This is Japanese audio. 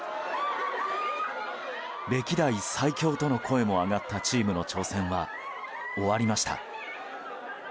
歴代最強との声も上がったチームの挑戦は終わりました。